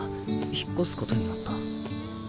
引っ越すことになった。